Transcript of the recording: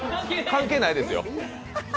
関係ないですよ。